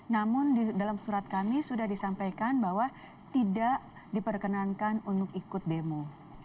namun di dalam surat kami sudah disampaikan bahwa tidak diperkenankan untuk ikut demo